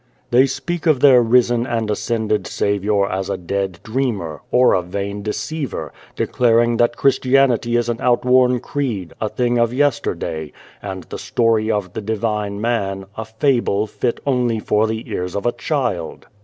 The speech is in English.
"They speak of their risen and ascended Saviour as a dead dreamer, or a vain deceiver, declaring that Christianity is an outworn creed, a thing of yesterday, and the story of the Divine Man, a fable, fit only for the ears of a child."